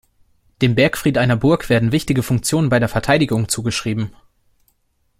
Dem Bergfried einer Burg werden wichtige Funktionen bei der Verteidigung zugeschrieben.